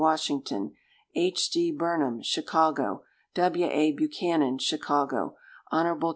Washington. H. D. Burnham, Chicago. W. A. Buchanan, Chicago. Hon.